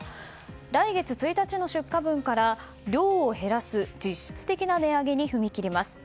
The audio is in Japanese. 来月１日の出荷分から量を減らす実質的な値上げに踏み切ります。